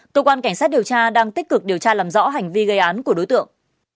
cơ quan cảnh sát điều tra đang tích cực điều tra làm rõ hành vi gây án của đối tượng